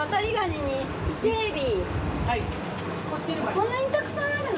こんなにたくさんあるの？